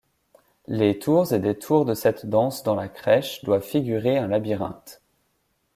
Les tours et détours de cette danse dans la crèche doivent figurer un labyrinthe.